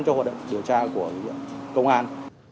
cho hội đồng điều tra của công an